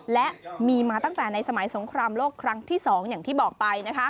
และมีมาตั้งแต่ในสมัยสงครามโลกครั้งที่๒อย่างที่บอกไป